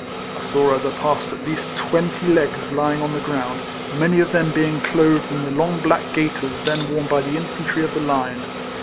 I saw as I passed at least twenty legs lying on the ground, many of them being clothed in the long black gaiters then worn by the infantry of the line.